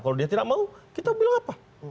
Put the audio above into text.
kalau dia tidak mau kita bilang apa